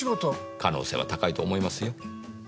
可能性は高いと思いますよ。